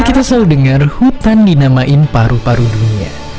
kita selalu dengar hutan dinamain paru paru dunia